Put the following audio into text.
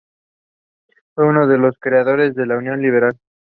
Fue uno de los creadores de la Unión Liberal.